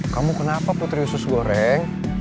kamu kenapa putri usus goreng